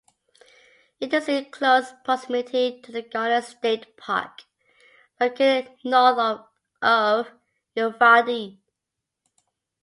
It is in close proximity to the Garner State Park, located north of Uvalde.